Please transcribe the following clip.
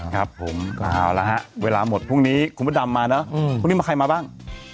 ครับผมก็เอาละฮะเวลาหมดพรุ่งนี้คุณพระดำมาเนอะพรุ่งนี้มาใครมาบ้าง